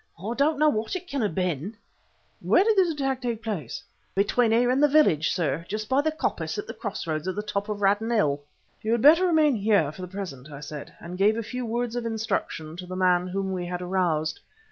I don't know what it can have been " "Where did this attack take place?" "Between here and the village, sir; just by the coppice at the cross roads on top of Raddon Hill." "You had better remain here for the present," I said, and gave a few words of instruction to the man whom we had aroused.